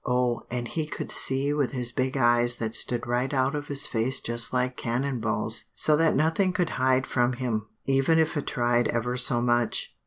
Oh, and he could see with his big eyes that stood right out of his face just like cannon balls, so that nothing could hide from him, even if it tried ever so much."